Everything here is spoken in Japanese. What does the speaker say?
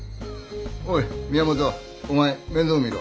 おい宮本お前面倒見ろ。